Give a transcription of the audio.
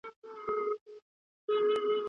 د عشق زمزم راواخله